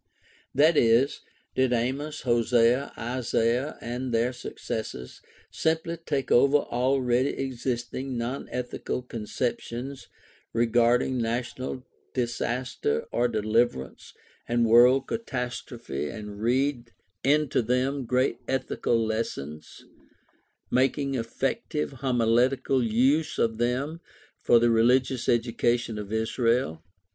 That is, did Amos, Hosea, Isaiah, and 142 GUIDE TO STUDY OF CHRISTIAN RELIGION their successors simply take over already existing non ethical conceptions regarding national disaster or deliverance and world catastrophe and read into them great ethical lessons, making effective homiletical use of them for the religious education of Israel?